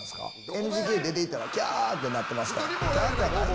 ＮＧＫ出て行ったらきゃーってなってますから。